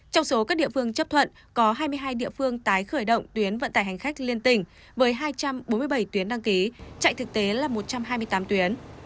trong số các địa phương chấp thuận có hai mươi hai địa phương tái khởi động tuyến vận tải hành khách liên tỉnh với hai trăm bốn mươi bảy tuyến đăng ký chạy thực tế là một trăm hai mươi tám tuyến